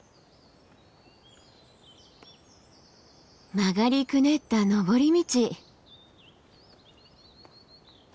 曲がりくねった登り道。